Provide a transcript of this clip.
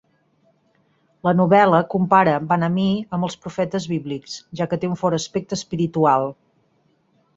La novel·la compara Vanamee amb els profetes bíblics, ja que té un fort aspecte espiritual.